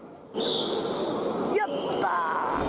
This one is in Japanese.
やったー！